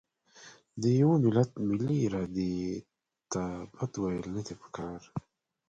د یوه ملت ملي ارادې ته بد ویل نه دي پکار.